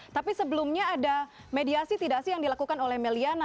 tapi sebelumnya ada mediasi tidak sih yang dilakukan oleh meliana